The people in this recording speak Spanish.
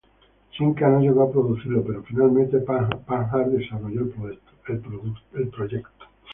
Simca no llegó a producirlo, pero finalmente Panhard desarrolló el proyecto.